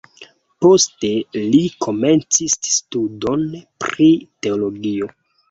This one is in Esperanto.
Poste li komencis studon pri teologio.